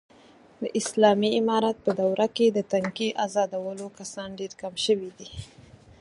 د اسالامي امارت په دوره کې، د تنگې ازادولو کسان ډېر کم شوي دي.